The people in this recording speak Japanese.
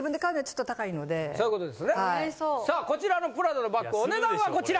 さあこちらのプラダのバッグお値段はこちら！